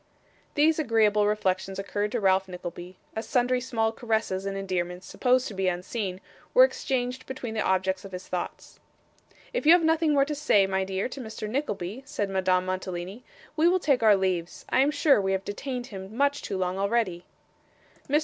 These agreeable reflections occurred to Ralph Nickleby, as sundry small caresses and endearments, supposed to be unseen, were exchanged between the objects of his thoughts. 'If you have nothing more to say, my dear, to Mr. Nickleby,' said Madame Mantalini, 'we will take our leaves. I am sure we have detained him much too long already.' Mr.